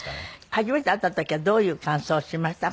初めて会った時はどういう感想をしました？